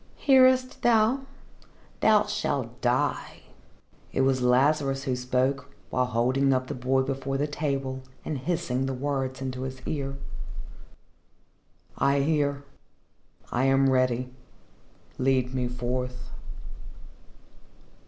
"Hearest thou? Thou shalt die." It was Lazarus who spoke, while holding up the boy before the table and hissing the words into his ear. "I hear. I am ready. Lead me forth."